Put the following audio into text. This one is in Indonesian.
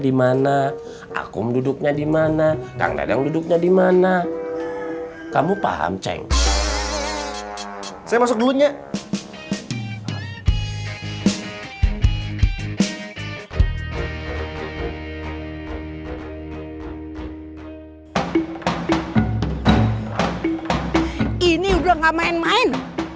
ini udah gak main main